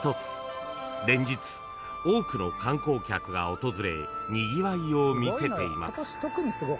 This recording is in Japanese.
［連日多くの観光客が訪れにぎわいを見せています］